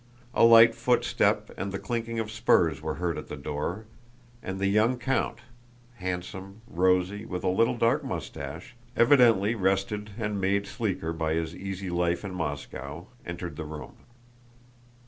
A light footstep and the clinking of spurs were heard at the door, and the young count, handsome, rosy, with a dark little mustache, evidently rested and made sleeker by his easy life in Moscow, entered the room.